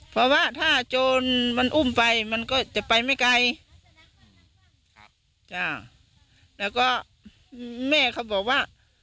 เพราะว่าถ้าโจรมันอุ้มไปมันก็จะไปไม่ไกลครับจ้ะแล้วก็แม่เขาบอกว่า